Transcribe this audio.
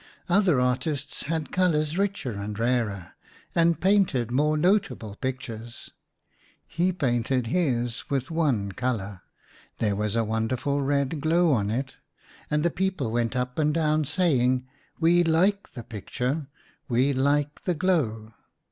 Other artists had colours richer and rarer, and painted more notable pictures. He painted his with one colour, there was a wonderful red glow on it ; and the people went up and down, saying, " We like the picture, we like the glow."